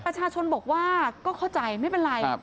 ประชาชนบอกว่าก็เข้าใจไม่เป็นไร